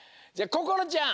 こころちゃん